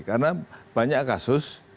karena banyak kasus